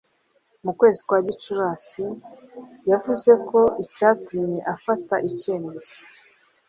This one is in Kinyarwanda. mu kwezi kwa Gicurasi yavuze ko icyatumye afata icyemezo